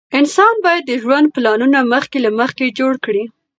انسان باید د ژوند پلانونه مخکې له مخکې جوړ کړي.